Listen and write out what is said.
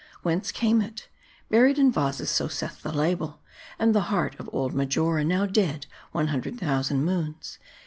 Whence came it ? Buried in vases, so saith the label, with the heart of old Marjora, now dead one hundred thousand moons.